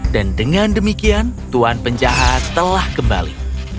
dan dengan demikian tuan penjahat telah kembali